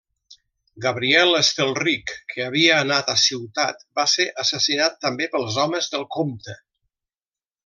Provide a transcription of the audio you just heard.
Gabriel Estelrich, que havia anat a Ciutat, va ser assassinat també pels homes del comte.